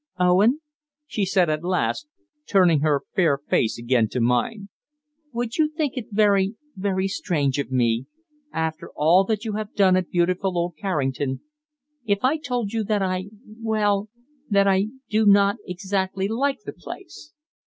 "Owen," she said at last, turning her fair face again to mine, "would you think it very, very strange of me, after all that you have done at beautiful old Carrington, if I told you that I well, that I do not exactly like the place?"